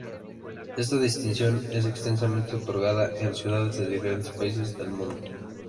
Esta distinción es extensamente otorgada en ciudades de diferentes países del mundo.